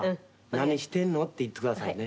「何してんの？」って言ってくださいね。